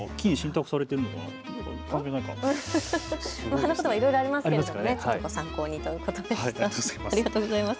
花言葉、いろいろありますけどご参考にということでありがとうございます。